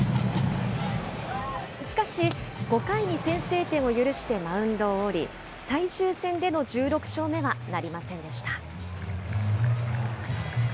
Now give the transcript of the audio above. しかし、５回に先制点を許してマウンドを降り、最終戦での１６勝目はなりませんでした。